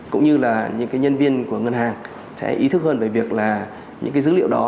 cũng như là những cái nhân viên của ngân hàng sẽ ý thức hơn về việc là những cái dữ liệu đó